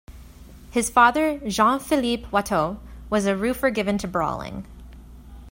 His father, Jean-Philippe Watteau, was a roofer given to brawling.